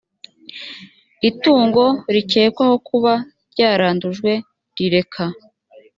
itungo rikekwaho kuba ryarandujwe rireka